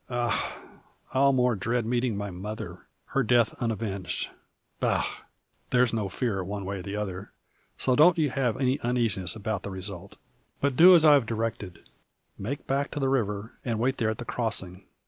Ah! I'll more dread meeting my mother her death unavenged. Bah! There's no fear, one way or the other. So don't you have any uneasiness about the result; but do as I've directed. Make back to the river, and wait there at the crossing.